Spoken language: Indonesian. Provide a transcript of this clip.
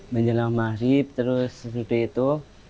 menjelang mahrib terus sesudah itu